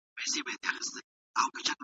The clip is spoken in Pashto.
زه بايد د خپلو ماشومانو په اړه فکر وکړم.